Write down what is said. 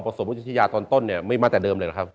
ประสงค์พระพุทธธิชยาตอนต้นเนี่ยไม่มาแต่เดิมเลยหรือครับ